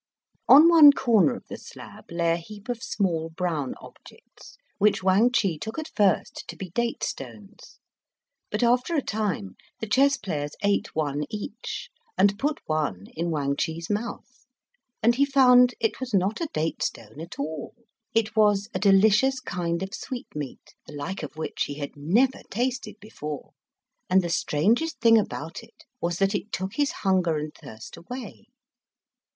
On one corner of the slab lay a heap of small, brown objects which Wang Chih took at first to be date stones; but after a time the chess players ate one each, and put one in Wang Chih's mouth; and he found it was not a date stone at all. It was a delicious kind of sweetmeat, the like of which he had never tasted before; and the strangest thing about it was that it took his hunger and thirst away.